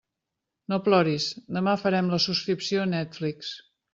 No ploris, demà farem la subscripció a Netflix.